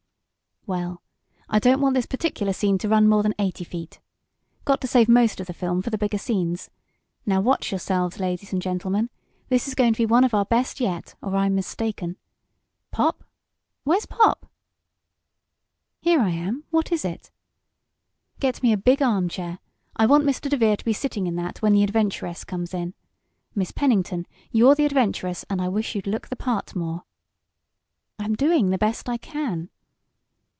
"Well, I don't want this particular scene to run more than eighty feet. Got to save most of the film for the bigger scenes. Now, watch yourselves, ladies and gentlemen. This is going to be one of our best yet, or I'm mistaken. Pop where's Pop?" "Here I am. What is it?" "Get me a big armchair. I want Mr. DeVere to be sitting in that when the adventuress comes in. Miss Pennington, you're the adventuress, and I wish you'd look the part more." "I'm doing the best I can."